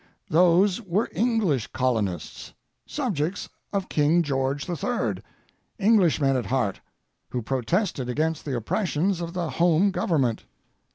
Those were English colonists, subjects of King George III., Englishmen at heart, who protested against the oppressions of the Home Government.